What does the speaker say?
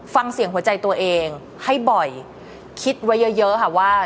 ฟังเสียงหัวใจตัวเองให้บ่อยคิดไว้เยอะค่ะว่า